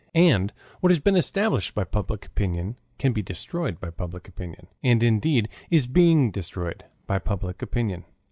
And what has been established by public opinion can be destroyed by public opinion and, indeed, is being destroyed by public opinion.